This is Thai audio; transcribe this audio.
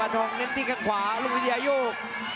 อันน้องเน้นที่ข้างขวาลูกภูยาโยก